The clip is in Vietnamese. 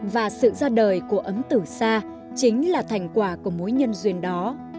và sự ra đời của ấm tử xa chính là thành quả của mối nhân duyên đó